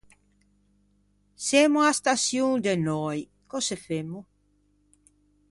Semmo a-a staçion de Nöi, cöse femmo?